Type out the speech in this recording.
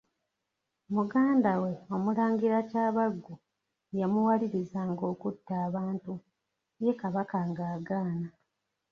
Muganda we Omulangira Kyabaggu yamuwalirizanga okutta abantu, ye Kabaka ng'agaana.